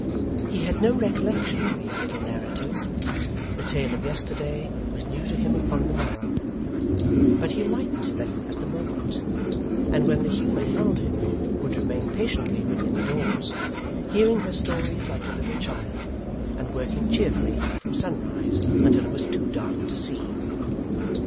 He had no recollection of these little narratives; the tale of yesterday was new to him upon the morrow; but he liked them at the moment; and when the humour held him, would remain patiently within doors, hearing her stories like a little child, and working cheerfully from sunrise until it was too dark to see.